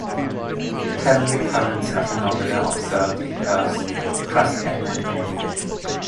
Telluric currents are phenomena observed in the Earth's crust and mantle.